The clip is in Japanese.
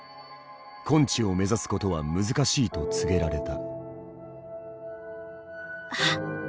根治を目指すことは難しいと告げられた。